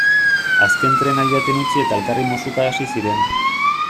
Azken trena joaten utzi eta elkarri musuka hasi ziren.